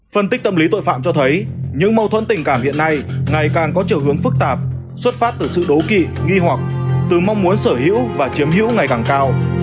phân tích tâm lý tội phạm cho thấy những mâu thuẫn tình cảm hiện nay ngày càng có chiều hướng phức tạp xuất phát từ sự đố kỵ nghi hoặc từ mong muốn sở hữu và chiếm hữu ngày càng cao